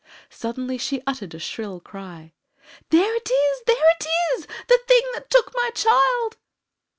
Suddenly she uttered a shrill cry: "There it is! There it is! The thing that took my child!"